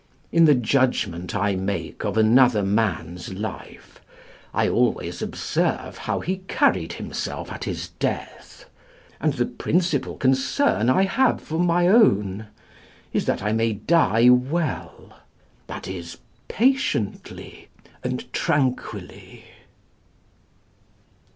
In the judgment I make of another man's life, I always observe how he carried himself at his death; and the principal concern I have for my own is that I may die well that is, patiently and tranquilly.